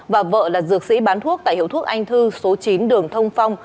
và vợ là dược sĩ bán thuốc tại hiệu thuốc anh thư số chín đường thông phong